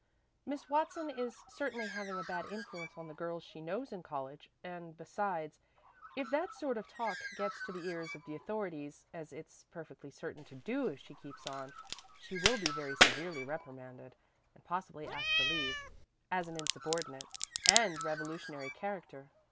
Miss Watson is certainly having a bad influence on the girls she knows in college, and besides, if that sort of talk gets to the ears of the authorities, as it's perfectly certain to do if she keeps on, she will be very severely reprimanded, and possibly asked to leave, as an insubordinate and revolutionary character.